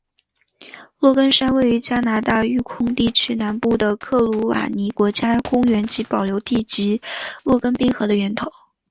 洛根山位于加拿大育空地区南部的克鲁瓦尼国家公园及保留地及洛根冰河的源头。